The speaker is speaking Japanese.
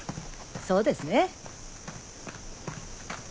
そうですね。